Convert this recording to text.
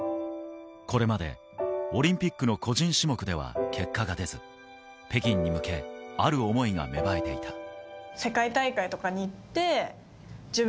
これまでオリンピックの個人種目では結果が出ず、北京に向け、ある思いが芽生えていた。